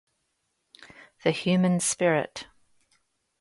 The human spirit.